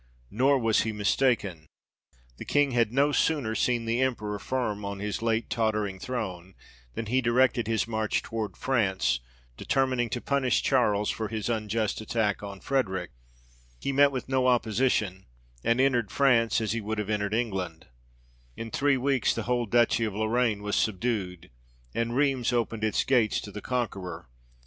Nor was he mistaken ; the King had no sooner seen the Emperor firm on his late tottering throne, than he directed his march towards France, determining to punish Charles for his unjust attack on Frederick. He met with no opposition, and entered France, as he would have 1 May 20, 1918. GEORGE VI. CAPTURES PARIS. 49 entered England. In three weeks the whole duchy of Lorraine was subdued ; and Rheims opened its gates to the conqueror.